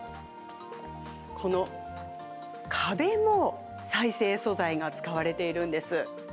この壁も再生素材が使われているんです。